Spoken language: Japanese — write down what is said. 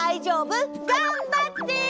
がんばって！